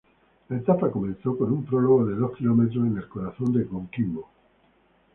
La etapa comenzó con un prólogo de dos kilómetros en el corazón de Coquimbo.